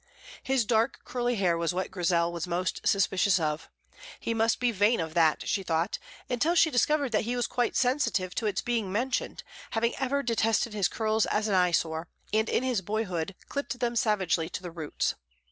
His dark curly hair was what Grizel was most suspicious of; he must be vain of that, she thought, until she discovered that he was quite sensitive to its being mentioned, having ever detested his curls as an eyesore, and in his boyhood clipped them savagely to the roots.